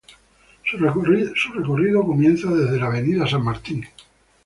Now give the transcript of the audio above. Su recorrido comienza desde la Avenida San Martín.